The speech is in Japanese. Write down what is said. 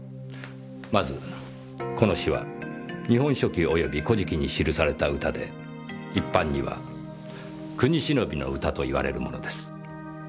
まずこの詩は日本書紀及び古事記に記された歌で一般には国偲びの歌といわれるものです。